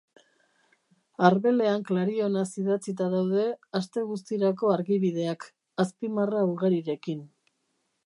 Arbelean klarionaz idatzita daude aste guztirako argibideak, azpimarra ugarirekin.